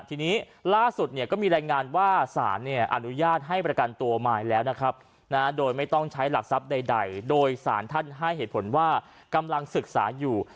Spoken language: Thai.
ทีนี้ล่าสุดเนี่ยก็มีรายงานว่าสารเนี่ยอนุญาตให้ประกันตัวมายแล้วนะครับโดยไม่ต้องใช้หลักทรัพย์ใดโดยสารท่านให้เหตุผลว่ากำลังศึกษาอยู่